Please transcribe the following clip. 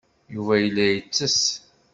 Yuba yella yettess.